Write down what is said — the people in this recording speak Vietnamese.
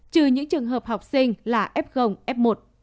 trừ những trường hợp học sinh là f f một